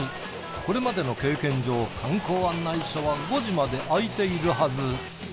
これまでの経験上観光案内所は５時まで開いているはず。